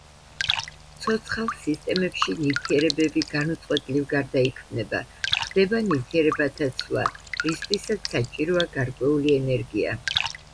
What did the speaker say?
ცოცხალ სისტემებში ნივთიერებები განუწყვეტლივ გარდაიქმნება, ხდება ნივთიერებათა ცვლა, რისთვისაც საჭიროა გარკვეული ენერგია.